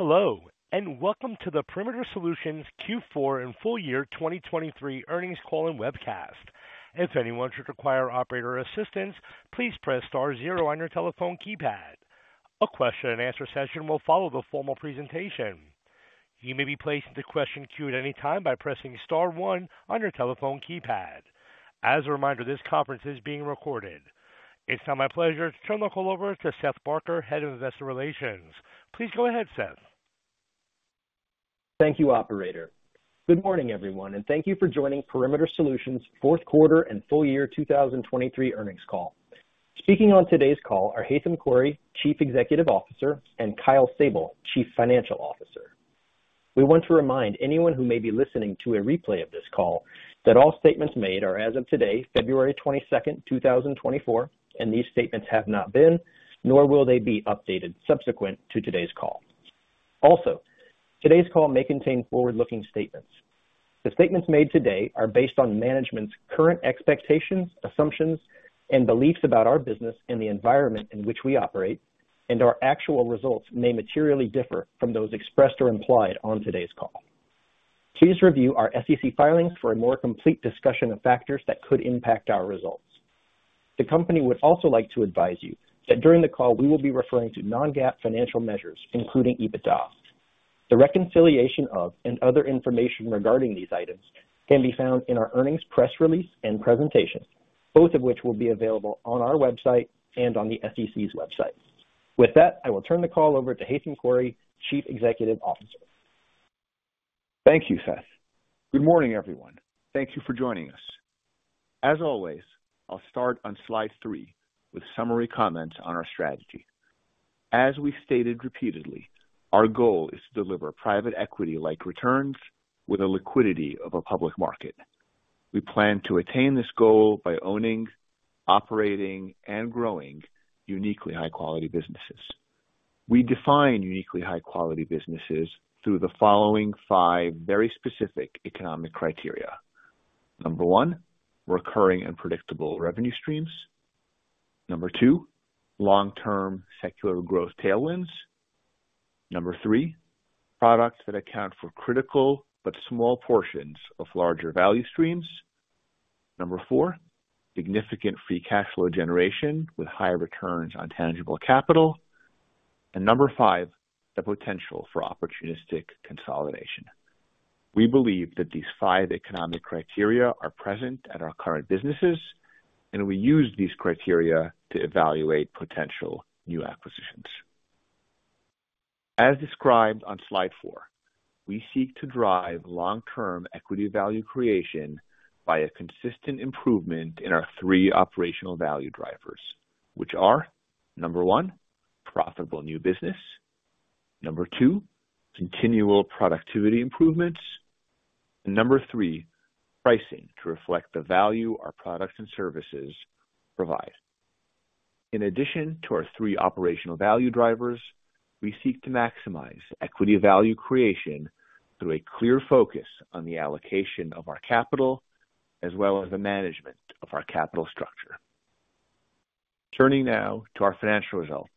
Hello, and welcome to the Perimeter Solutions Q4 and full year 2023 earnings call and webcast. If anyone should require operator assistance, please press star zero on your telephone keypad. A question and answer session will follow the formal presentation. You may be placed in the question queue at any time by pressing star one on your telephone keypad. As a reminder, this conference is being recorded. It's now my pleasure to turn the call over to Seth Barker, Head of Investor Relations. Please go ahead, Seth. Thank you, operator. Good morning, everyone, and thank you for joining Perimeter Solutions fourth quarter and full year 2023 earnings call. Speaking on today's call are Haitham Khouri, Chief Executive Officer, and Kyle Sable, Chief Financial Officer. We want to remind anyone who may be listening to a replay of this call that all statements made are as of today, February 22, 2024, and these statements have not been, nor will they be updated subsequent to today's call. Also, today's call may contain forward-looking statements. The statements made today are based on management's current expectations, assumptions, and beliefs about our business and the environment in which we operate, and our actual results may materially differ from those expressed or implied on today's call. Please review our SEC filings for a more complete discussion of factors that could impact our results. The company would also like to advise you that during the call, we will be referring to non-GAAP financial measures, including EBITDA. The reconciliation of and other information regarding these items can be found in our earnings press release and presentation, both of which will be available on our website and on the SEC's website. With that, I will turn the call over to Haitham Khouri, Chief Executive Officer. Thank you, Seth. Good morning, everyone. Thank you for joining us. As always, I'll start on slide 3 with summary comments on our strategy. As we stated repeatedly, our goal is to deliver private equity-like returns with the liquidity of a public market. We plan to attain this goal by owning, operating, and growing uniquely high-quality businesses. We define uniquely high-quality businesses through the following 5 very specific economic criteria. 1, recurring and predictable revenue streams. 2, long-term secular growth tailwinds. 3, products that account for critical but small portions of larger value streams. 4, significant free cash flow generation with higher returns on tangible capital. And 5, the potential for opportunistic consolidation. We believe that these 5 economic criteria are present at our current businesses, and we use these criteria to evaluate potential new acquisitions. As described on slide 4, we seek to drive long-term equity value creation by a consistent improvement in our three operational value drivers, which are, 1, profitable new business, 2, continual productivity improvements, and 3, pricing to reflect the value our products and services provide. In addition to our three operational value drivers, we seek to maximize equity value creation through a clear focus on the allocation of our capital as well as the management of our capital structure. Turning now to our financial results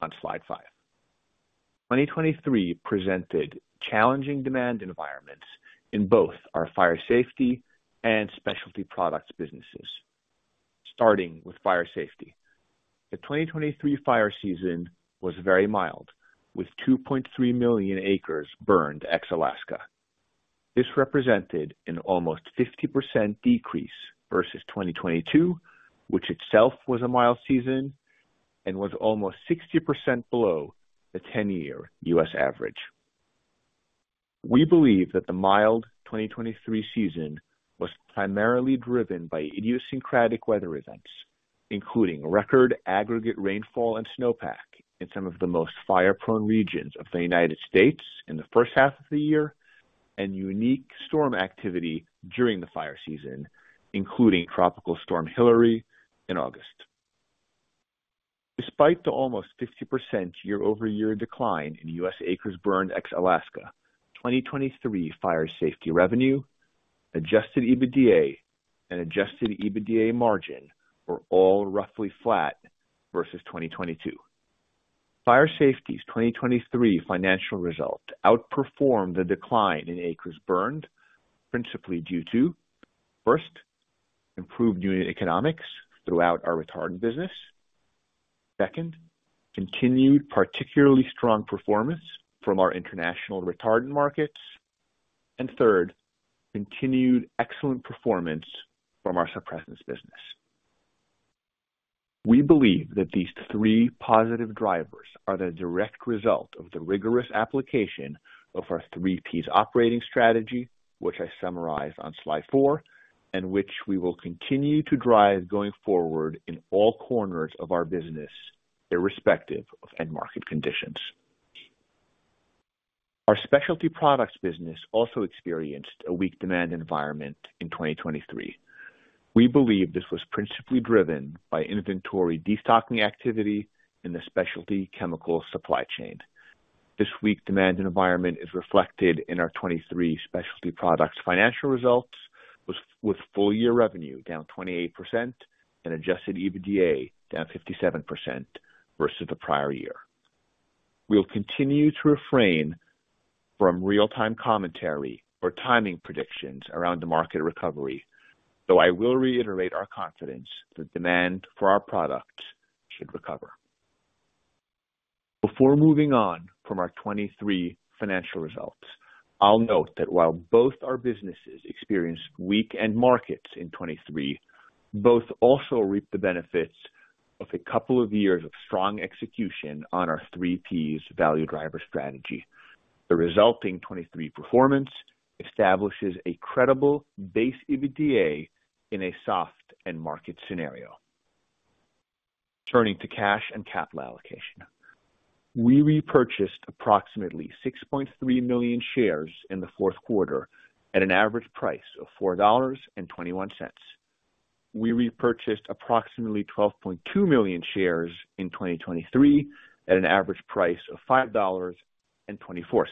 on slide 5. 2023 presented challenging demand environments in both our fire safety and specialty products businesses. Starting with fire safety. The 2023 fire season was very mild, with 2.3 million acres burned, ex Alaska. This represented an almost 50% decrease versus 2022, which itself was a mild season and was almost 60% below the 10-year U.S. average. We believe that the mild 2023 season was primarily driven by idiosyncratic weather events, including record aggregate rainfall and snowpack in some of the most fire-prone regions of the United States in the first half of the year, and unique storm activity during the fire season, including Tropical Storm Hilary in August. Despite the almost 50% year-over-year decline in U.S. acres burned, ex Alaska, 2023 fire safety revenue, Adjusted EBITDA, and Adjusted EBITDA margin were all roughly flat versus 2022. Fire Safety's 2023 financial results outperformed the decline in acres burned, principally due to, first, improved unit economics throughout our retardant business. Second, continued particularly strong performance from our international retardant markets. And third, continued excellent performance from our suppressants business. We believe that these three positive drivers are the direct result of the rigorous application of our Three Ps operating strategy, which I summarized on slide 4, and which we will continue to drive going forward in all corners of our business, irrespective of end market conditions. Our specialty products business also experienced a weak demand environment in 2023. We believe this was principally driven by inventory destocking activity in the specialty chemical supply chain. This weak demand environment is reflected in our 2023 specialty products financial results. With full-year revenue down 28% and Adjusted EBITDA down 57% versus the prior year. We'll continue to refrain from real-time commentary or timing predictions around the market recovery, though I will reiterate our confidence that demand for our products should recover. Before moving on from our 2023 financial results, I'll note that while both our businesses experienced weak end markets in 2023, both also reaped the benefits of a couple of years of strong execution on our Three Ps value driver strategy. The resulting 2023 performance establishes a credible base EBITDA in a soft end market scenario. Turning to cash and capital allocation. We repurchased approximately 6.3 million shares in the fourth quarter at an average price of $4.21. We repurchased approximately 12.2 million shares in 2023 at an average price of $5.24.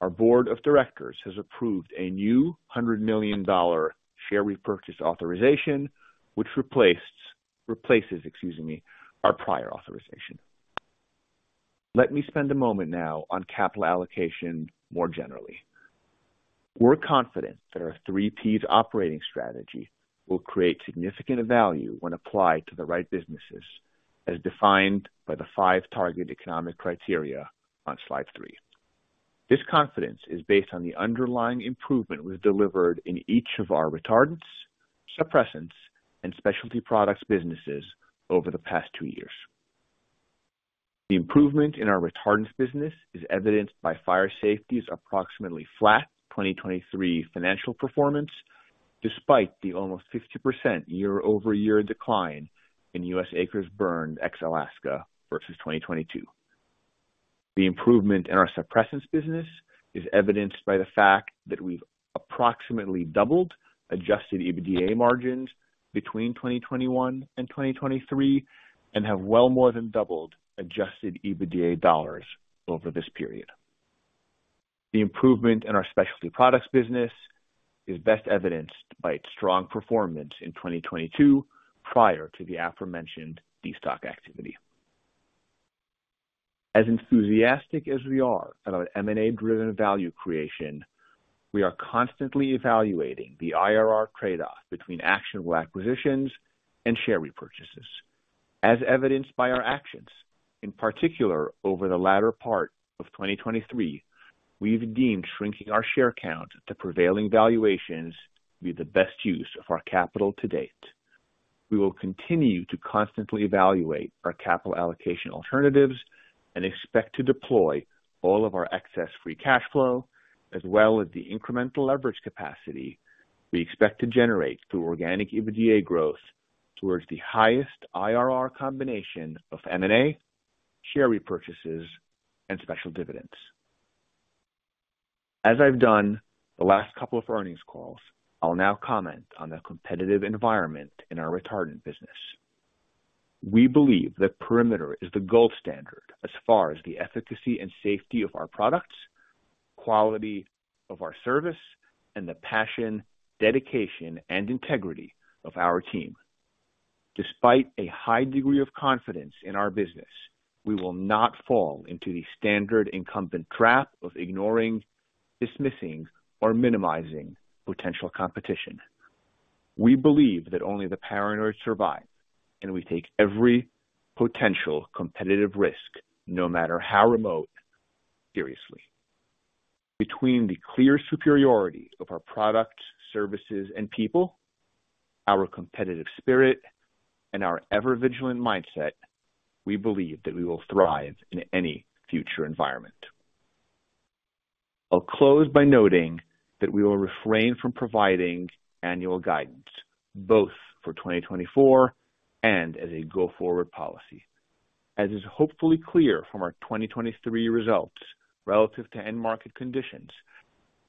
Our board of directors has approved a new $100 million share repurchase authorization, which replaces, excuse me, our prior authorization. Let me spend a moment now on capital allocation more generally. We're confident that our Three Ps operating strategy will create significant value when applied to the right businesses, as defined by the 5 target economic criteria on slide 3. This confidence is based on the underlying improvement we've delivered in each of our retardants, suppressants, and specialty products businesses over the past 2 years. The improvement in our retardants business is evidenced by Fire Safety's approximately flat 2023 financial performance, despite the almost 60% year-over-year decline in U.S. acres burned ex Alaska versus 2022. The improvement in our suppressants business is evidenced by the fact that we've approximately doubled Adjusted EBITDA margins between 2021 and 2023, and have well more than doubled Adjusted EBITDA dollars over this period. The improvement in our specialty products business is best evidenced by its strong performance in 2022, prior to the aforementioned destock activity. As enthusiastic as we are about M&A-driven value creation, we are constantly evaluating the IRR trade-off between actionable acquisitions and share repurchases. As evidenced by our actions, in particular, over the latter part of 2023, we've deemed shrinking our share count to prevailing valuations to be the best use of our capital to date. We will continue to constantly evaluate our capital allocation alternatives and expect to deploy all of our excess free cash flow, as well as the incremental leverage capacity we expect to generate through organic EBITDA growth towards the highest IRR combination of M&A, share repurchases, and special dividends. As I've done the last couple of earnings calls, I'll now comment on the competitive environment in our retardant business. We believe that Perimeter is the gold standard as far as the efficacy and safety of our products, quality of our service, and the passion, dedication, and integrity of our team. Despite a high degree of confidence in our business, we will not fall into the standard incumbent trap of ignoring, dismissing, or minimizing potential competition. We believe that only the paranoid survive, and we take every potential competitive risk, no matter how remote, seriously. Between the clear superiority of our products, services, and people, our competitive spirit, and our ever-vigilant mindset, we believe that we will thrive in any future environment. I'll close by noting that we will refrain from providing annual guidance both for 2024 and as a go-forward policy. As is hopefully clear from our 2023 results relative to end market conditions,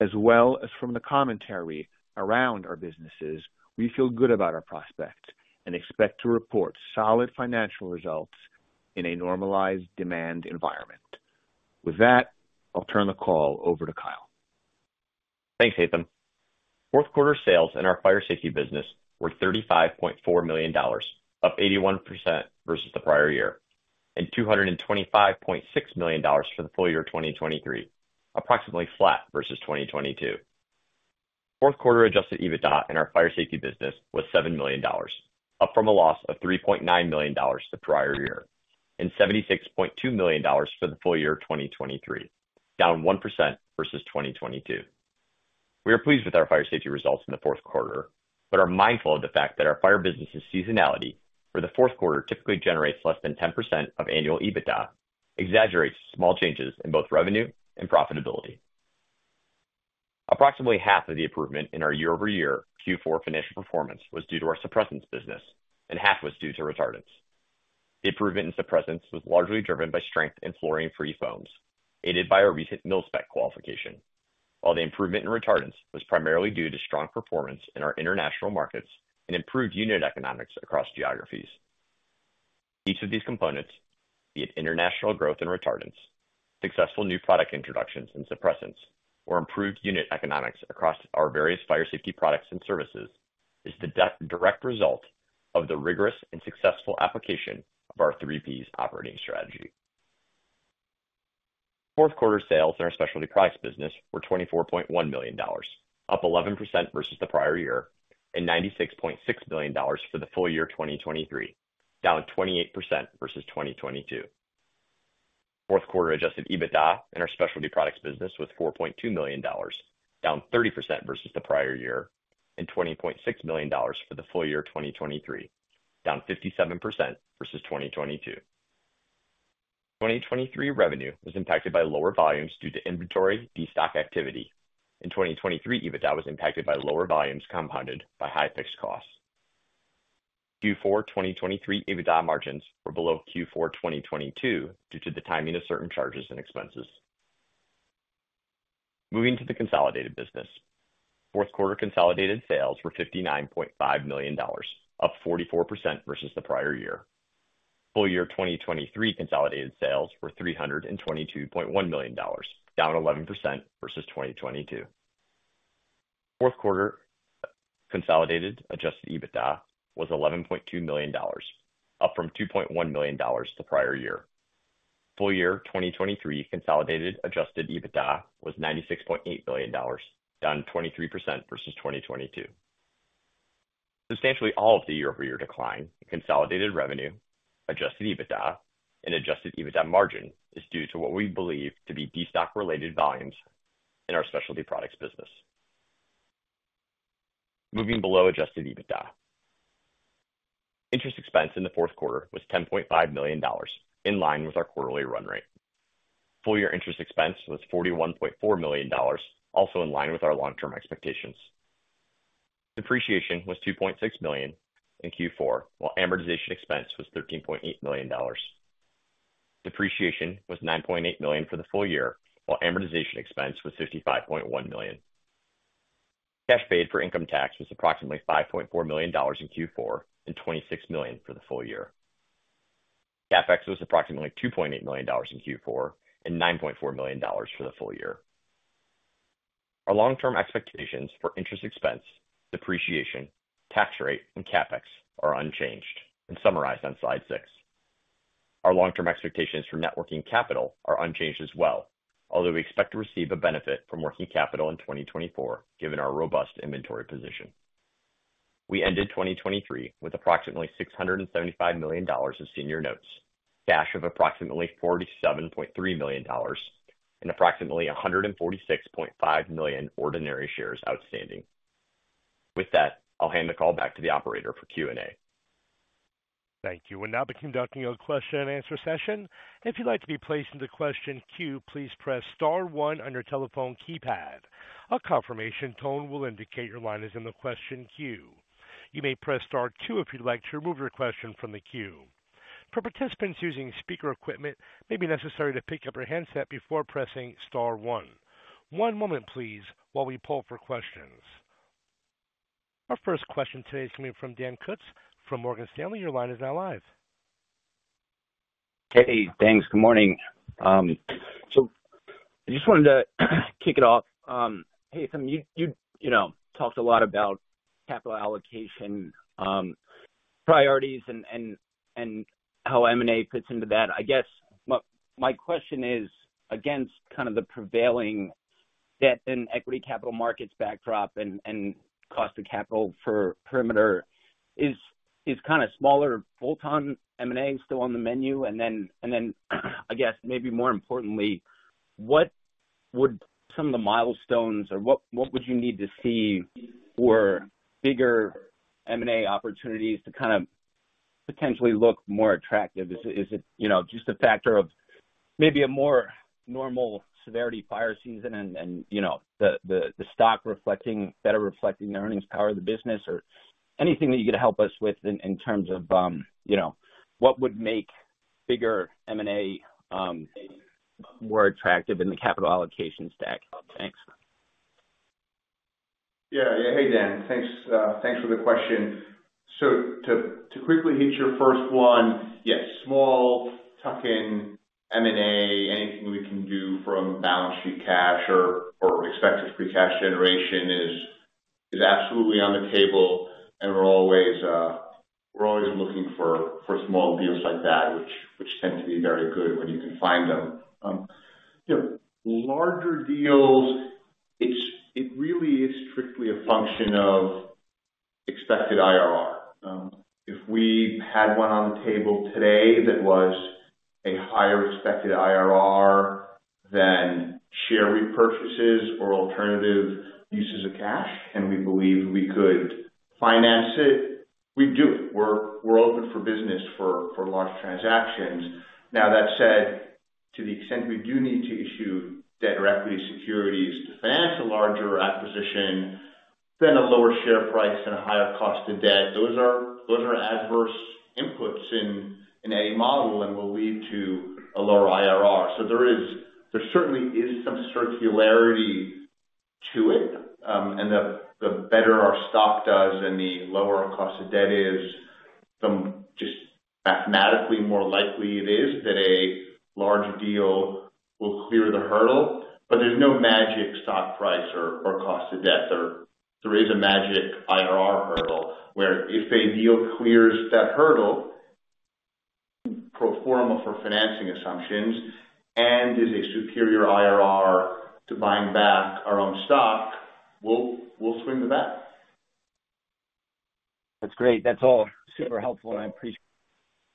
as well as from the commentary around our businesses, we feel good about our prospects and expect to report solid financial results in a normalized demand environment. With that, I'll turn the call over to Kyle. Thanks, Haitham. Fourth quarter sales in our fire safety business were $35.4 million, up 81% versus the prior year, and $225.6 million for the full year of 2023, approximately flat versus 2022. Fourth quarter Adjusted EBITDA in our fire safety business was $7 million, up from a loss of $3.9 million the prior year, and $76.2 million for the full year of 2023, down 1% versus 2022. We are pleased with our fire safety results in the fourth quarter, but are mindful of the fact that our fire business's seasonality for the fourth quarter typically generates less than 10% of annual EBITDA, exaggerates small changes in both revenue and profitability. Approximately half of the improvement in our year-over-year Q4 financial performance was due to our suppressants business and half was due to retardants. The improvement in suppressants was largely driven by strength in fluorine-free foams, aided by our recent MIL-SPEC qualification. While the improvement in retardants was primarily due to strong performance in our international markets and improved unit economics across geographies. Each of these components, be it international growth and retardants, successful new product introductions and suppressants, or improved unit economics across our various fire safety products and services, is the direct result of the rigorous and successful application of our three Ps operating strategy. Fourth quarter sales in our specialty products business were $24.1 million, up 11% versus the prior year, and $96.6 million for the full year, 2023, down 28% versus 2022. Fourth quarter Adjusted EBITDA in our specialty products business was $4.2 million, down 30% versus the prior year, and $20.6 million for the full year, 2023, down 57% versus 2022. 2023 revenue was impacted by lower volumes due to inventory destock activity. In 2023, EBITDA was impacted by lower volumes, compounded by high fixed costs. Q4 2023 EBITDA margins were below Q4 2022 due to the timing of certain charges and expenses. Moving to the consolidated business. Fourth quarter consolidated sales were $59.5 million, up 44% versus the prior year. Full year 2023 consolidated sales were $322.1 million, down 11% versus 2022. Fourth quarter consolidated Adjusted EBITDA was $11.2 million, up from $2.1 million the prior year. Full year 2023 consolidated Adjusted EBITDA was $96.8 million, down 23% versus 2022. Substantially all of the year-over-year decline in consolidated revenue, Adjusted EBITDA and Adjusted EBITDA margin is due to what we believe to be destock related volumes in our specialty products business. Moving below Adjusted EBITDA. Interest expense in the fourth quarter was $10.5 million, in line with our quarterly run rate. Full year interest expense was $41.4 million, also in line with our long-term expectations. Depreciation was $2.6 million in Q4, while amortization expense was $13.8 million. Depreciation was $9.8 million for the full year, while amortization expense was $55.1 million. Cash paid for income tax was approximately $5.4 million in Q4 and $26 million for the full year. CapEx was approximately $2.8 million in Q4 and $9.4 million for the full year. Our long-term expectations for interest expense, depreciation, tax rate, and CapEx are unchanged and summarized on slide 6. Our long-term expectations for net working capital are unchanged as well, although we expect to receive a benefit from working capital in 2024, given our robust inventory position. We ended 2023 with approximately $675 million of senior notes, cash of approximately $47.3 million, and approximately 146.5 million ordinary shares outstanding. With that, I'll hand the call back to the operator for Q&A. Thank you. We'll now be conducting a question and answer session. If you'd like to be placed in the question queue, please press star one on your telephone keypad. A confirmation tone will indicate your line is in the question queue. You may press star two if you'd like to remove your question from the queue. For participants using speaker equipment, it may be necessary to pick up your handset before pressing star one. One moment, please, while we poll for questions. Our first question today is coming from Dan Kutz from Morgan Stanley. Your line is now live. Hey, thanks. Good morning. So I just wanted to kick it off. Haitham, you know, talked a lot about capital allocation, priorities and how M&A fits into that. I guess my question is against kind of the prevailing debt and equity capital markets backdrop and cost of capital for Perimeter, is kind of smaller bolt-on M&A still on the menu? And then, I guess maybe more importantly, what would some of the milestones or what would you need to see for bigger M&A opportunities to kind of potentially look more attractive? Is it, you know, just a factor of maybe a more normal severity fire season and, you know, the stock better reflecting the earnings power of the business, or anything that you could help us with in terms of, you know, what would make bigger M&A more attractive in the capital allocation stack? Thanks. Yeah. Hey, Dan. Thanks, thanks for the question. So to quickly hit your first one, yes, small tuck-in M&A, anything we can do from balance sheet cash or expected free cash generation is absolutely on the table, and we're always, we're always looking for small deals like that, which tend to be very good when you can find them. You know, larger deals, it really is strictly a function of expected IRR. If we had one on the table today that was a higher expected IRR than share repurchases or alternative uses of cash, and we believe we could finance it, we'd do it. We're open for business for large transactions. Now, that said, to the extent we do need to issue debt or equity securities to finance a larger acquisition, then a lower share price and a higher cost of debt, those are, those are adverse inputs in a model and will lead to a lower IRR. So there certainly is some circularity to it, and the better our stock does and the lower our cost of debt is, the just mathematically more likely it is that a large deal will clear the hurdle. But there's no magic stock price or cost of debt, or there is a magic IRR hurdle, where if a deal clears that hurdle, pro forma for financing assumptions and is a superior IRR to buying back our own stock, we'll, we'll swing the bat. That's great. That's all super helpful, and I appreciate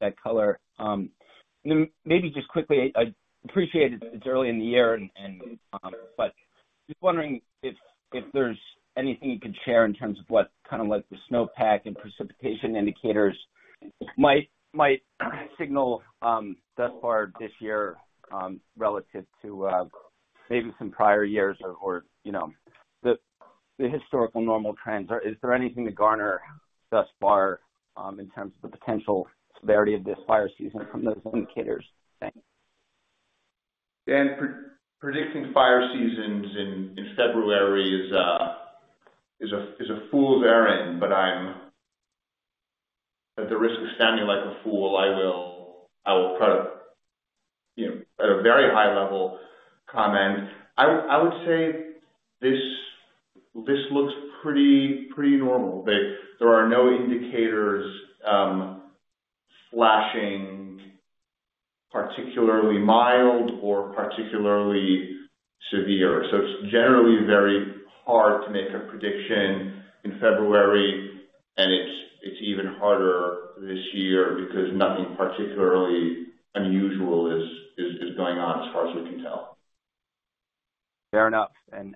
that color. And then maybe just quickly, I appreciate it, it's early in the year and but just wondering if there's anything you could share in terms of what kind of like the snowpack and precipitation indicators might signal thus far this year relative to maybe some prior years or you know the historical normal trends. Or is there anything to garner thus far in terms of the potential severity of this fire season from those indicators? Thanks. Dan, predicting fire seasons in February is a fool's errand, but I'm at the risk of sounding like a fool, I will, I will try to, you know, at a very high level comment. I would, I would say this, this looks pretty normal, that there are no indicators flashing particularly mild or particularly severe. So it's generally very hard to make a prediction in February, and it's even harder this year because nothing particularly unusual is going on as far as we can tell. Fair enough, and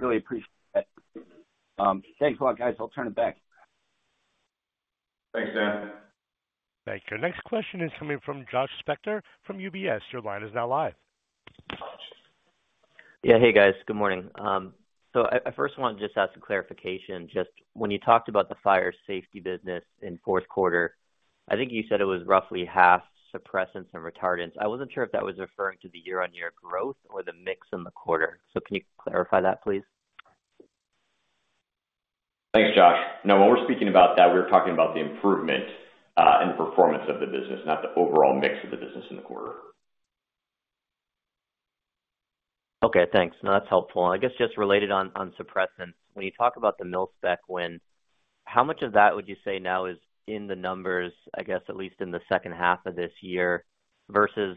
really appreciate that. Thanks a lot, guys. I'll turn it back. Thanks, Dan. Thank you. Next question is coming from Josh Spector from UBS. Your line is now live. Yeah. Hey, guys. Good morning. So I first want to just ask for clarification. Just when you talked about the fire safety business in fourth quarter, I think you said it was roughly half suppressants and retardants. I wasn't sure if that was referring to the year-on-year growth or the mix in the quarter. So can you clarify that, please? Thanks, Josh. No, when we're speaking about that, we were talking about the improvement in the performance of the business, not the overall mix of the business in the quarter. Okay, thanks. That's helpful. And I guess just related on suppressants. When you talk about the MIL-SPEC win, how much of that would you say now is in the numbers, I guess, at least in the second half of this year versus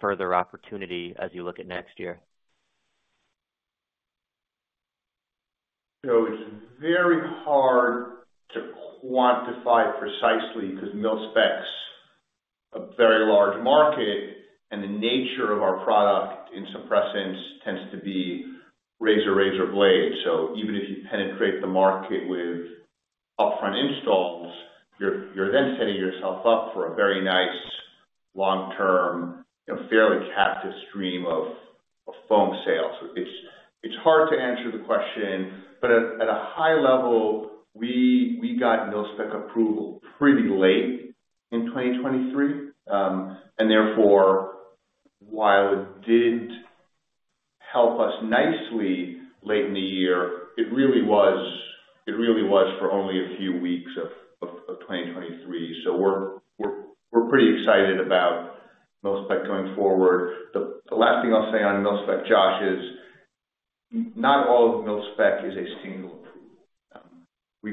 further opportunity as you look at next year? So it's very hard to quantify precisely, 'cause MIL-SPEC's a very large market, and the nature of our product in suppressants tends to be razor, razor blades. So even if you penetrate the market with upfront installs, you're, you're then setting yourself up for a very nice long-term, you know, fairly captive stream of, of foam sales. It's, it's hard to answer the question, but at, at a high level, we, we got MIL-SPEC approval pretty late in 2023. And therefore, while it did help us nicely late in the year, it really was, it really was for only a few weeks of, of, of 2023. So we're, we're, we're pretty excited about MIL-SPEC going forward. The, the last thing I'll say on MIL-SPEC, Josh, is not all of MIL-SPEC is a single approval. We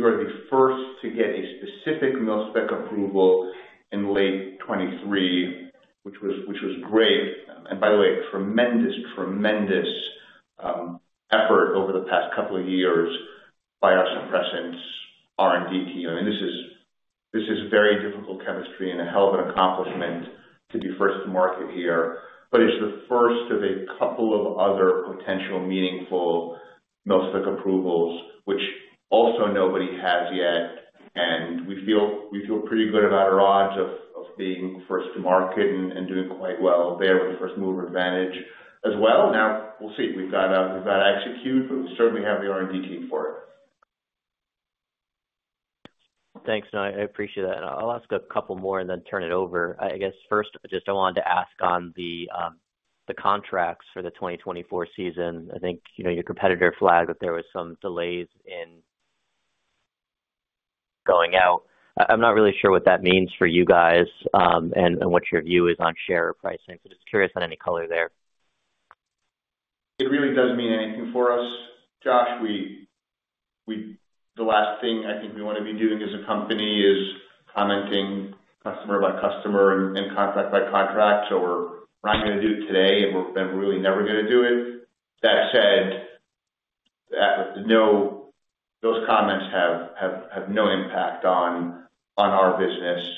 were the first to get a specific MIL-SPEC approval in late 2023, which was great. And by the way, tremendous, tremendous effort over the past couple of years by our suppressants R&D team. I mean, this is very difficult chemistry and a hell of an accomplishment to be first to market here. But it's the first of a couple of other potential meaningful MIL-SPEC approvals, which also nobody has yet, and we feel pretty good about our odds of being first to market and doing quite well there with the first-mover advantage as well. Now, we'll see. We've got to execute, but we certainly have the R&D team for it. Thanks. No, I appreciate that. I'll ask a couple more and then turn it over. I guess first, just I wanted to ask on the contracts for the 2024 season. I think, you know, your competitor flagged that there was some delays in going out. I'm not really sure what that means for you guys, and what your view is on share pricing. So just curious on any color there. It really doesn't mean anything for us, Josh. We -- the last thing I think we want to be doing as a company is commenting customer by customer and contract by contract. So we're not gonna do it today, and we're really never gonna do it. That said, no... Those comments have no impact on our business.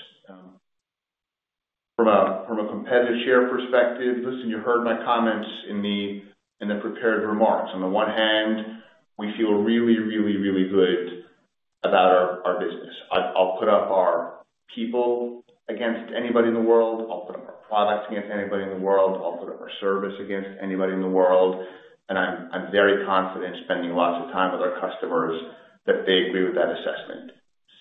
From a competitive share perspective, listen, you heard my comments in the prepared remarks. On the one hand, we feel really, really, really good about our business. I'll put up our people against anybody in the world. I'll put up our products against anybody in the world. I'll put up our service against anybody in the world, and I'm, I'm very confident spending lots of time with our customers, that they agree with that assessment.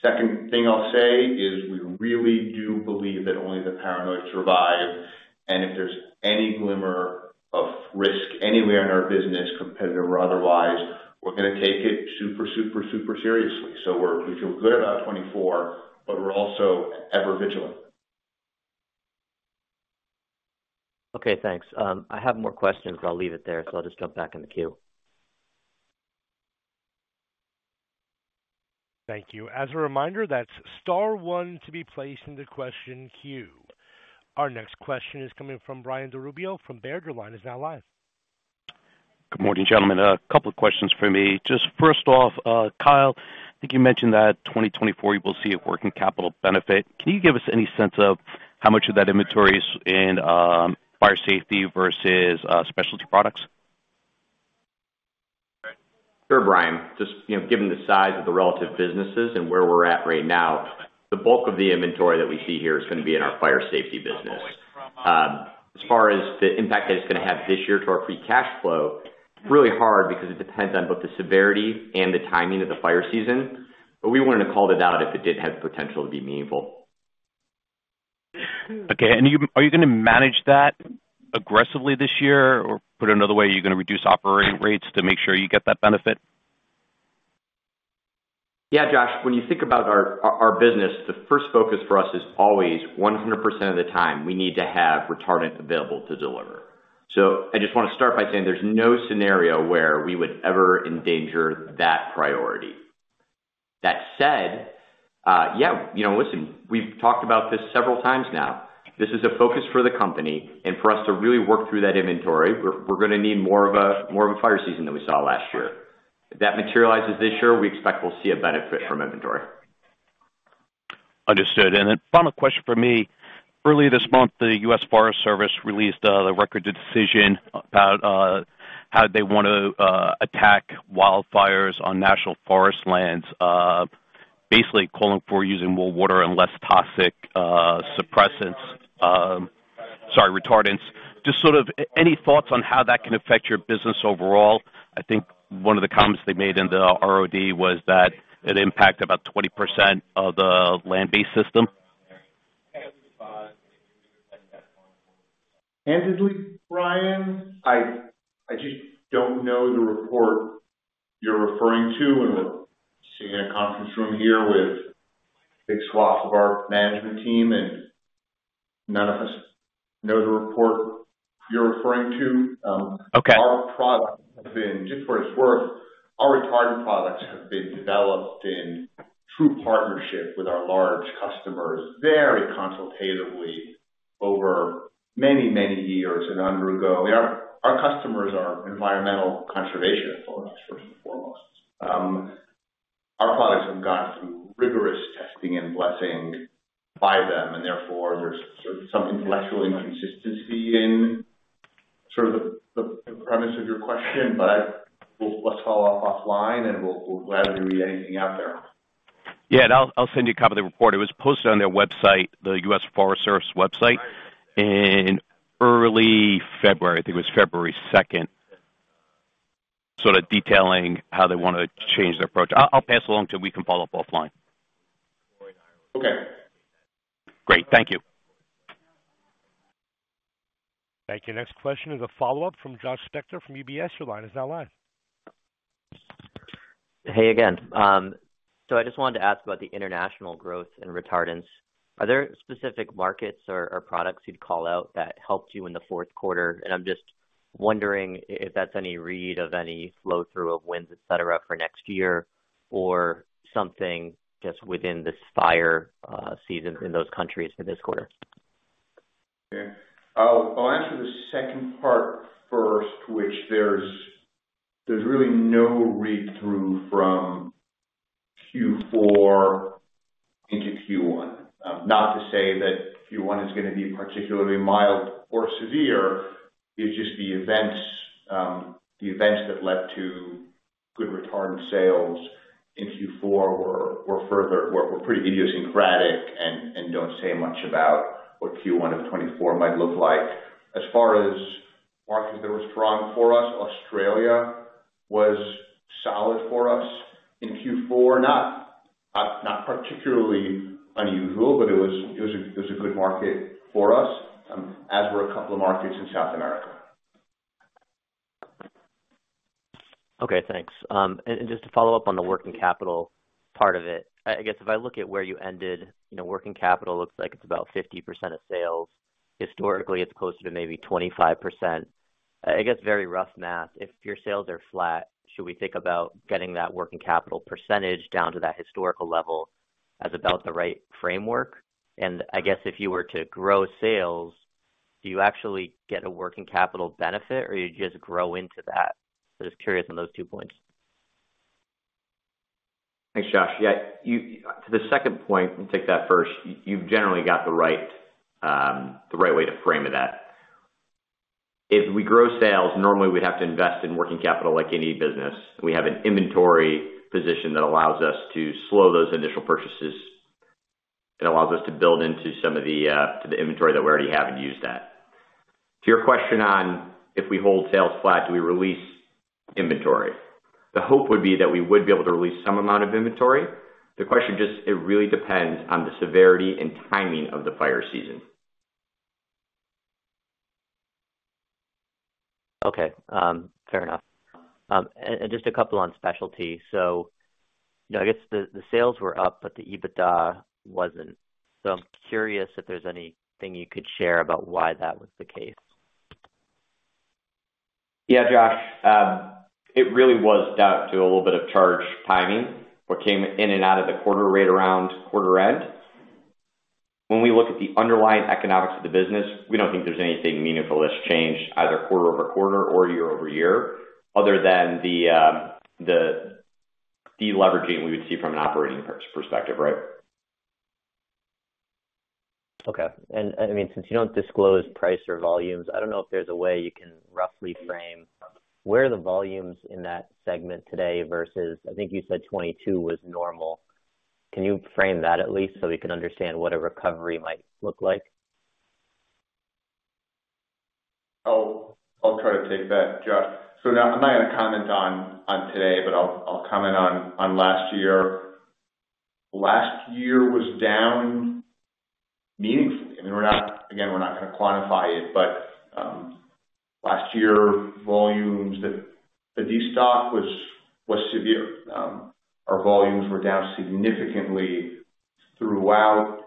Second thing I'll say is we really do believe that only the paranoid survive, and if there's any glimmer of risk anywhere in our business, competitive or otherwise, we're gonna take it super, super, super seriously. So we're, we feel clear about 2024, but we're also ever vigilant. Okay, thanks. I have more questions, but I'll leave it there, so I'll just jump back in the queue. Thank you. As a reminder, that's star one to be placed in the question queue. Our next question is coming from Brian DiRubbio from Baird. Your line is now live. Good morning, gentlemen. A couple of questions for me. Just first off, Kyle, I think you mentioned that 2024 you will see a working capital benefit. Can you give us any sense of how much of that inventory is in Fire Safety versus Specialty Products? Sure, Brian. Just, you know, given the size of the relative businesses and where we're at right now, the bulk of the inventory that we see here is gonna be in our fire safety business. As far as the impact that it's gonna have this year to our free cash flow, it's really hard because it depends on both the severity and the timing of the fire season, but we wanted to call it out if it did have potential to be meaningful. Okay. And are you gonna manage that aggressively this year? Or put another way, are you gonna reduce operating rates to make sure you get that benefit? Yeah, Josh, when you think about our business, the first focus for us is always 100% of the time, we need to have retardant available to deliver. So I just wanna start by saying there's no scenario where we would ever endanger that priority. That said, yeah, you know, listen, we've talked about this several times now. This is a focus for the company, and for us to really work through that inventory, we're gonna need more of a fire season than we saw last year. If that materializes this year, we expect we'll see a benefit from inventory. Understood. And then final question for me: earlier this month, the U.S. Forest Service released the ROD, the decision about how they want to attack wildfires on national forest lands. Basically calling for using more water and less toxic suppressants, sorry, retardants. Just sort of any thoughts on how that can affect your business overall? I think one of the comments they made in the ROD was that it impacted about 20% of the land-based system. Frankly, Brian, I just don't know the report you're referring to, and we're sitting in a conference room here with big swaths of our management team, and none of us know the report you're referring to. Okay. Our product has been, just for its worth, our retardant products have been developed in true partnership with our large customers, very consultatively over many, many years and undergo. Our customers are environmental conservation authorities, first and foremost. Our products have gone through rigorous testing and blessing by them, and therefore, there's sort of some intellectual inconsistency in the premise of your question, but we'll—let's follow up offline, and we'll be glad to read anything out there. Yeah, and I'll, I'll send you a copy of the report. It was posted on their website, the U.S. Forest Service website, in early February. I think it was February second, sort of detailing how they wanna change their approach. I'll, I'll pass it along, too, and we can follow up offline. Okay. Great. Thank you. Thank you. Next question is a follow-up from Josh Spector from UBS. Your line is now live. Hey again. So I just wanted to ask about the international growth in retardants. Are there specific markets or products you'd call out that helped you in the fourth quarter? And I'm just wondering if that's any read of any flow-through of wins, et cetera, for next year, or something just within this fire season in those countries for this quarter? Yeah. I'll answer the second part first, which there's really no read-through from Q4 into Q1. Not to say that Q1 is gonna be particularly mild or severe, it's just the events, the events that led to good retardant sales in Q4 were pretty idiosyncratic and don't say much about what Q1 of 2024 might look like. As far as markets that were strong for us, Australia was solid for us in Q4. Not particularly unusual, but it was a good market for us, as were a couple of markets in South America. Okay, thanks. And just to follow up on the working capital part of it, I guess if I look at where you ended, you know, working capital looks like it's about 50% of sales. Historically, it's closer to maybe 25%. I guess, very rough math, if your sales are flat, should we think about getting that working capital percentage down to that historical level as about the right framework? And I guess if you were to grow sales, do you actually get a working capital benefit, or you just grow into that? So just curious on those two points. Thanks, Josh. Yeah, to the second point, and take that first, you've generally got the right, the right way to frame it at. If we grow sales, normally we'd have to invest in working capital like any business. We have an inventory position that allows us to slow those initial purchases. It allows us to build into some of the, to the inventory that we already have and use that. To your question on if we hold sales flat, do we release inventory? The hope would be that we would be able to release some amount of inventory. The question just, it really depends on the severity and timing of the fire season. Okay, fair enough. And just a couple on specialty. So, you know, I guess the sales were up, but the EBITDA wasn't. So I'm curious if there's anything you could share about why that was the case. Yeah, Josh, it really was down to a little bit of charge timing, what came in and out of the quarter right around quarter end. When we look at the underlying economics of the business, we don't think there's anything meaningful that's changed either quarter-over-quarter or year-over-year, other than the deleveraging we would see from an operating perspective, right? Okay. And, I mean, since you don't disclose price or volumes, I don't know if there's a way you can roughly frame where are the volumes in that segment today versus I think you said '2022 was normal. Can you frame that at least so we can understand what a recovery might look like? I'll try to take that, Josh. So now I'm not gonna comment on today, but I'll comment on last year. Last year was down meaningfully, and we're not again, we're not gonna quantify it, but last year volumes, the destock was severe. Our volumes were down significantly throughout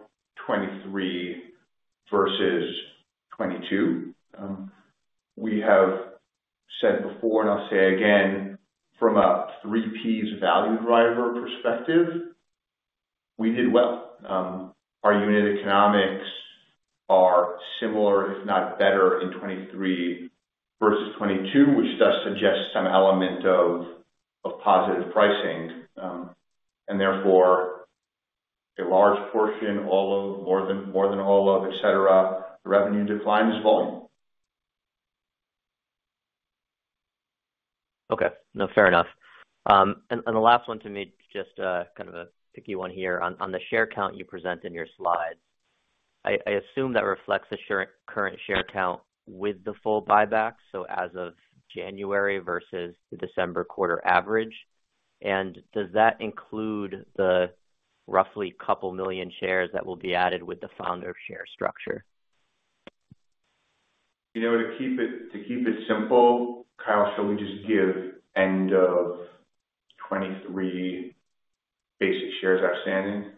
2023 versus 2022. We have said before, and I'll say again, from a Three Ps value driver perspective, we did well. Our unit economics are similar, if not better, in 2023 versus 2022, which does suggest some element of positive pricing. And therefore, a large portion, all of, more than all of, et cetera, the revenue decline is volume. Okay. No, fair enough. And the last one to me, just a kind of a picky one here. On the share count you present in your slides, I assume that reflects the current share count with the full buyback, so as of January versus the December quarter average. And does that include the roughly 2 million shares that will be added with the founder share structure? You know, to keep it, to keep it simple, Kyle, shall we just give end of 2023 basic shares outstanding?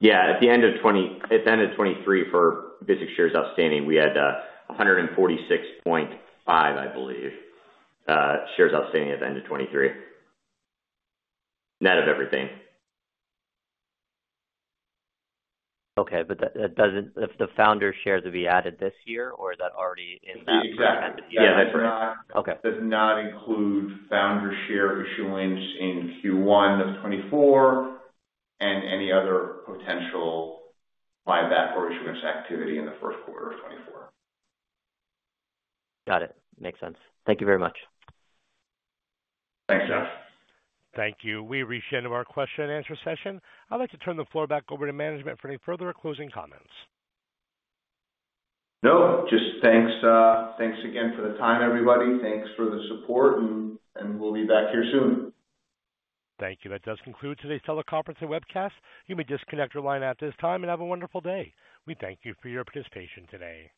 Yeah, at the end of 2023, for basic shares outstanding, we had 146.5, I believe, shares outstanding at the end of 2023. Net of everything. Okay, but that, that doesn't—if the founder shares will be added this year or is that already in that? Exactly. Yeah, that's right. Okay. Does not include founder share issuance in Q1 of 2024 and any other potential buyback or issuance activity in the first quarter of 2024. Got it. Makes sense. Thank you very much. Thanks, Josh. Thank you. We've reached the end of our question and answer session. I'd like to turn the floor back over to management for any further closing comments. No, just thanks, thanks again for the time, everybody. Thanks for the support and, and we'll be back here soon. Thank you. That does conclude today's teleconference and webcast. You may disconnect your line at this time and have a wonderful day. We thank you for your participation today.